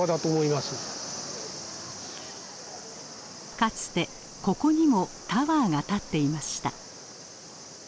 かつてここにもタワーが建っていました。